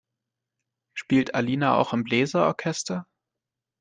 Spielt Alina auch im Bläser-Orchester?